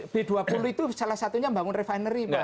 b dua puluh itu salah satunya membangun refinery pak